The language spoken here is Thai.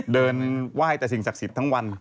เดินไหว้แต่สิ่งศักดิ์สิทธิ์ทั้งวัน